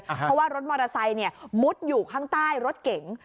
เพราะว่ารถมอเตอร์ไซค์มุดอยู่ข้างใต้รถเก๋ง